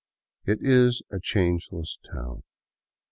It is a " change less " town.